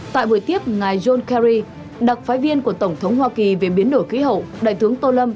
tại buổi tiếp ngài john kerry đặc phái viên của tổng thống hoa kỳ về biến đổi khí hậu đại tướng tô lâm